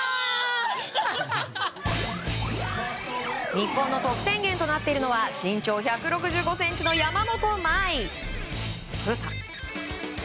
日本の得点源となっているのは身長１６５ｃｍの山本麻衣。